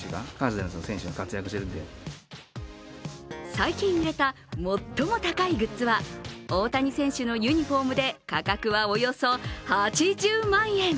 最近売れた最も高いグッズは、大谷選手のユニフォームで価格はおよそ８０万円。